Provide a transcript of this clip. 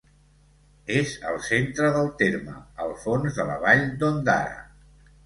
És al centre del terme, al fons de la vall d'Ondara.